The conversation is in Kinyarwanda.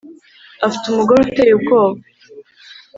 Afite umugore uteye ubwoba